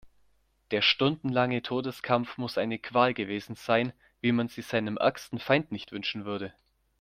Der stundenlange Todeskampf muss eine Qual gewesen sein, wie man sie seinem ärgsten Feind nicht wünschen würde.